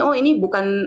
oh ini bukan